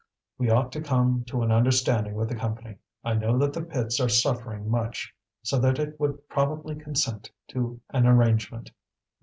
"We ought to come to an understanding with the Company. I know that the pits are suffering much, so that it would probably consent to an arrangement."